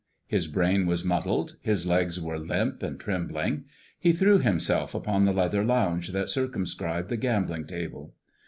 His brain was muddled; his legs were limp and trembling. He threw himself upon the leather lounge that circumscribed the gambling table.